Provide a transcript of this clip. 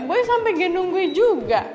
boy sampe gendung gue juga